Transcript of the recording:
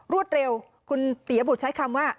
รวดเร็วคุณปียบุตรใช้คำว่า